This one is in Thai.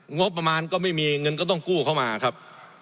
งบประมาณก็ไม่มีเงินก็ต้องกู้เข้ามาครับ